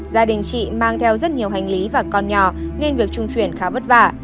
gia đình chị mang theo rất nhiều hành lý và con nhỏ nên việc trung chuyển khá bất vả